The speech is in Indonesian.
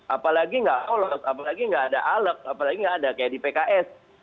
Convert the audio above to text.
apalagi nggak lolos apalagi nggak ada alek apalagi nggak ada kayak di pks